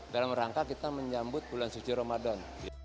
dalam rangka kita menyambut bulan suci ramadan